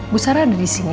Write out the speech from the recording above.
bu sarah ada disini